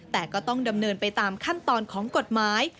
แต่ก็ต้องดำเนินไปตามขั้นตอนของกฎหมาย